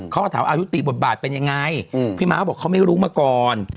เขาก็ถามว่ายุติบทบาทเป็นยังไงพี่ม้าบอกเขาไม่รู้มาก่อน